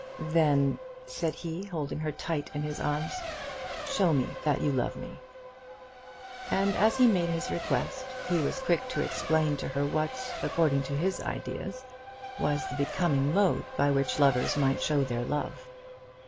"Then," said he, holding her tight in his arms, "show me that you love me." And as he made his request he was quick to explain to her what, according to his ideas, was the becoming mode by which lovers might show their love.